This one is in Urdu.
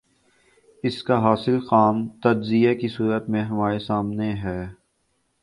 اس کا حاصل خام تجزیے کی صورت میں ہمارے سامنے ہے۔